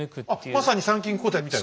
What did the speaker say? あっまさに参勤交代みたい。